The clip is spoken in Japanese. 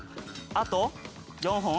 あと４本？